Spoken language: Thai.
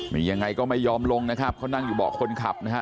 นี่ยังไงก็ไม่ยอมลงนะครับเขานั่งอยู่เบาะคนขับนะฮะ